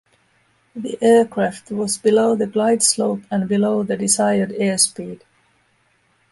The aircraft was below the glideslope and below the desired airspeed.